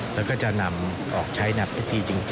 แล้วก็จะนำออกใช้ในพิธีจริง